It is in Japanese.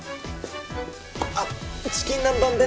あっチキン南蛮